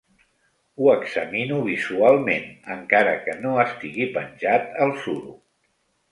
Ho examino visualment, encara que no estigui penjat al suro.